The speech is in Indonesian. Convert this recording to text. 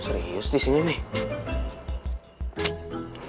serius di sini nih